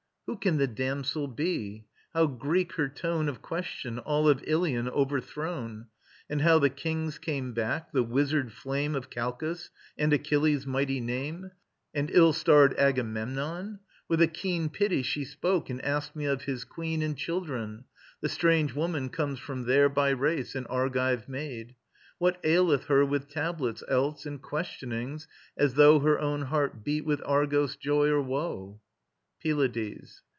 Who can the damsel be? How Greek her tone Of question, all of Ilion overthrown, And how the kings came back, the wizard flame Of Calchas, and Achilles' mighty name, And ill starred Agamemnon. With a keen Pity she spoke, and asked me of his queen And children ... The strange woman comes from there By race, an Argive maid. What aileth her With tablets, else, and questionings as though Her own heart beat with Argos' joy or woe? PYLADES.